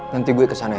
nanti gue kesana ya